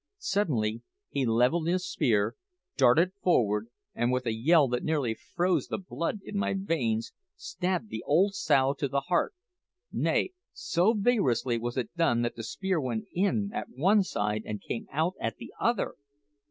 Suddenly he levelled his spear, darted forward, and with a yell that nearly froze the blood in my veins, stabbed the old sow to the heart. Nay, so vigorously was it done that the spear went in at one side and came out at the other!